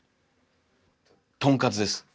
「とんかつ」です。